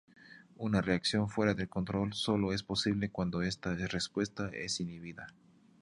Una reacción fuera de control solo es posible cuando esta respuesta es inhibida.